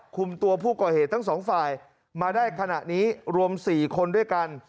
คุมตัวผู้ก่อเหตุทั้งสองฝ่ายมาได้ขณะนี้รวม๔คนด้วยกัน